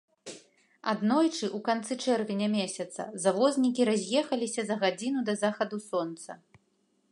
Аднойчы, у канцы чэрвеня месяца завознікі раз'ехаліся за гадзіну да захаду сонца.